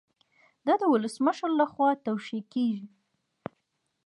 دا د ولسمشر لخوا توشیح کیږي.